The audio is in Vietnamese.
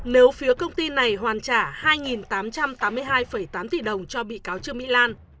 nếu phía công ty này hoàn trả hai tám trăm tám mươi hai tám tỷ đồng cho bị cáo trương mỹ lan